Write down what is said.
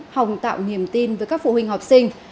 hòng tạo niềm tin với các phụ huynh học sinh